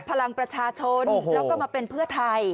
พลังประชาชนแล้วก็มาเป็นเพื่อไทย